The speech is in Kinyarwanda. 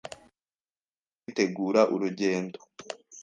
Barimo kwitegura urugendo.